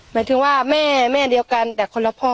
หมายถึงว่าแม่แม่เดียวกันแต่คนละพ่อ